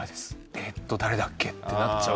「えっと誰だっけ？」ってなっちゃう。